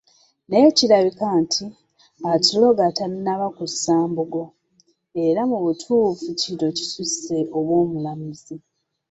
Naye kirabika nti, atuloga tannaba kussa mbugo, era mu butuufu kino kisusse obw’omulamuzi.